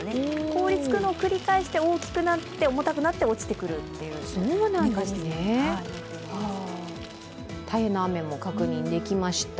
凍りつくのを繰り返して大きくなって重たくなって落ちてくるというメカニズムになっています。